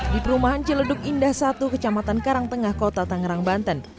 di perumahan celeduk indah satu kecamatan karangtengah kota tangerang banten